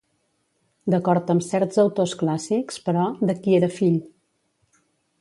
D'acord amb certs autors clàssics, però, de qui era fill?